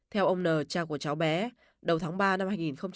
theo ông nờ cha của cháu bé đầu tháng ba năm hai nghìn hai mươi hai